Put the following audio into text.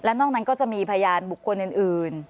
นอกนั้นก็จะมีพยานบุคคลอื่น